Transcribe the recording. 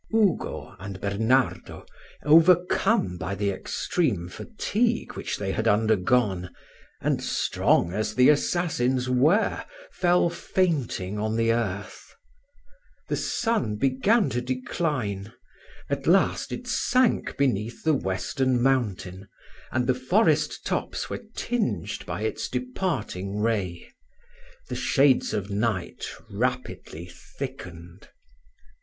Ugo and Bernardo, overcome by the extreme fatigue which they had undergone, and strong as the assassins were, fell fainting on the earth. The sun began to decline; at last it sank beneath the western mountain, and the forest tops were tinged by its departing ray. The shades of night rapidly thickened.